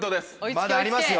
まだありますよ。